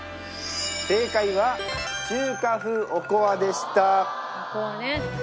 正解は中華風おこわでした！